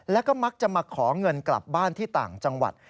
แล้วก็มักจะมาขอเงินกลับบ้านที่ต่างจังหวัด